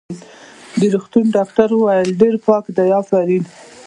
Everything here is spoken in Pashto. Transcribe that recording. د روغتون ډاکټر وویل: ډېر پاک دی، افرین.